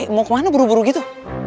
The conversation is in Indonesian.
itu kan mau kemana buru buru gitu